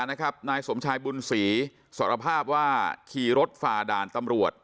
นายสมชายบุญศรีสารภาพว่าขี่รถฝ่าด่านตำรวจ